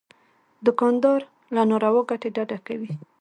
دوکاندار له ناروا ګټې ډډه کوي.